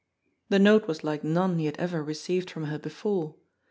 The note was like none he had ever received from her before.